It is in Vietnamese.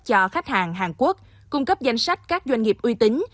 cho khách hàng hàn quốc cung cấp danh sách các doanh nghiệp uy tín